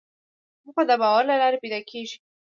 موخه د باور له لارې پیدا کېږي.